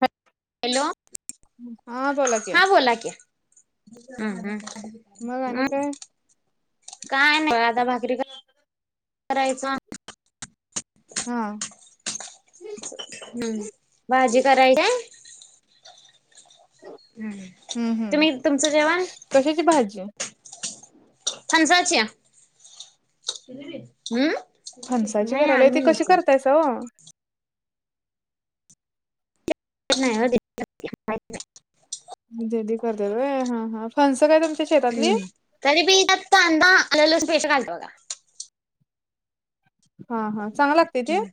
हा हॅलो हा बोला कि्या हा बोला की हम्म मग हम्म आणि हम् काय काय ना रादा भाकरी करायच हा हम् भाजी करायची हम् हम्म हम्म तुम्ही तुमचं जेवण कशाची भाजी थानसाच्या हम्म फणसाची नाही आर् करायला ती म कशी म्हच करतायसा ओ नाही अ अधी कर द र हा हा फंस काय त हम्म तरी बी दत् अंदाला पेश कालत बघ हा हा चांग लागते ते बघा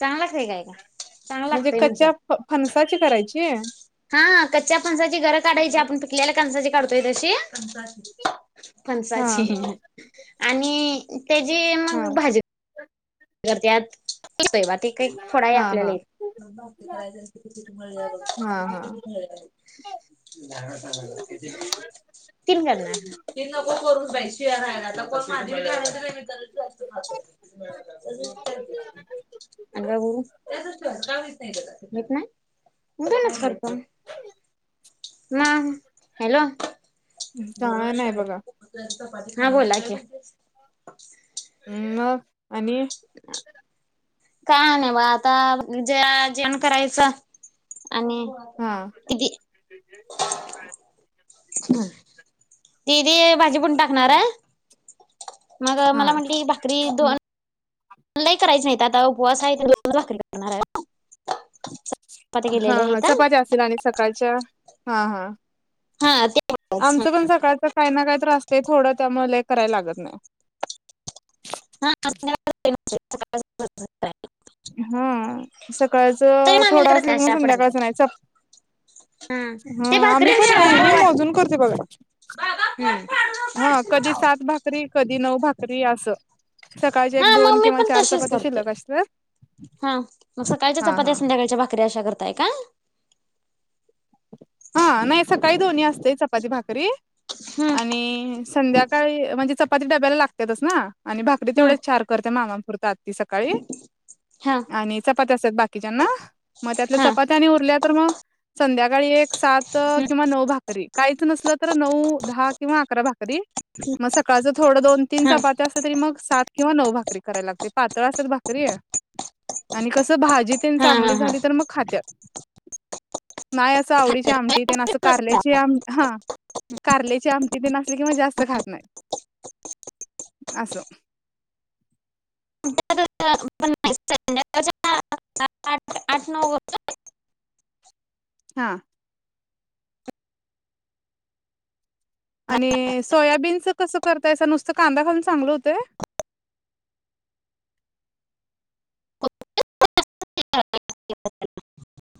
चांगला लागतंय काय का चांगला म्हणजे लागतंय क्च्या म्हणत्यात फनसाची करायची हा कच्च्या फणसाची गरं काढायची आपण पिकलेल्याला कणसाची काढतोय तशी हा फंसाची आणि त्याची हा मग भाजी करतयात ते काही फोडा आहे हा हा आपल्याला एक ल तीन करणार तीन नको करून बाई शिळ रहायला [inaudible] हम आणि का गुरु येत नाही मु का नारत म हॅलो काय नाही बघा ह बोला की हम् मग आणि काय नाही बा आता जे- जेवण करायचं. आणि हा किती ब ती ती भाजी पण टाकणार आहे. मग हा मला म्हटली भाकरी दोन लई करायची नाहीत आता उपवास हाय त्यानं दोनच भाकरी करणार हाय. हा केलेल्या हा आहेत चपात्या असतील आणि सकाळच्या हा हा हा ते आमचं पण सकाळच काही ना काही तर असतय थोडं त्यामुळे लय करायला लागत नाही हा [unintelligible] हा तरी सकाळचं मामी थोडं करत असलं नाही किंवा अशा आपण संध्याकाळचं नाहीच. हा हम ते आम्ही भाकरी पण शिवाय नाही मी खाऊ वाट मोजून करतोय बगा हा कधी हम्म सात भाकरी कधी नऊ भाकरी असं. सकाळचे हा एक दोन मग मी किंवा पण चार तसेच चपात्या करतोय. शिल्लक असत्यात. हा मग सकाळच्या चपात्या संध्याकाळच्या भाकरी अशा करताय का हा नाही सकाळी दोन्ही असते चपाती, भाकरी हम्म आणि संध्याकाळी म्हणजे चपाती डब्याला लागत्यातच ना आणि भाकरी हम्म तेवढेच चार करते मामानंपुरत आत्ता सकाळी. हा आणि चपात्या असतात बाकीच्याना मग त्यातल्या हा चपात्या आणि उरल्या तर मग संध्याकाळी एक सात हम्म किंवा नऊ भाकरी काहीच नसलं तर नऊ दहा किंवा अकरा भा कधी मग सकाळचं थोडं दोन तीन हा चपात्या असलं तरी मग सात किंवा नऊ भा करायला लागते पातळ अस भाकरी आणि कस भा जी तीन हा हा चांगली झाली तर मग खात्यात. नाही असं आवडीची आमटी ते ना असं कारल्याची आम हा कारल्याची आमटी तेन असली किं जास्त खात नाही अस. [unintelligible] स आठ आठ नऊ वाज हा आणि सोयाबीनच कसं करताय असं नुसतं कांदा घालून चांगलं हुतय [inaudible] [unintelligible]